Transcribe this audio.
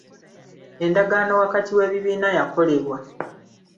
Endagaano wakati w'ebibiina yakolebwa.